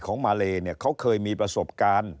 ของมาเลเค้าเคยมีประสบการณ์